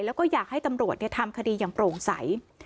แล้วก็อยากให้ตำรวจทำคดีอย่างโปร่งใส